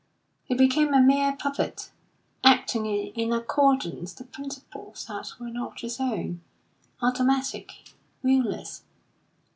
He became a mere puppet, acting in accordance to principles that were not his own, automatic, will less.